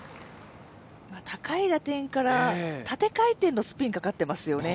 高い打点から縦回転のスピンがかかってますよね。